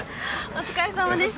お疲れさまでした。